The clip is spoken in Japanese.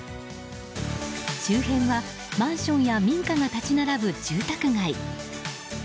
周辺はマンションや民家が立ち並ぶ住宅街。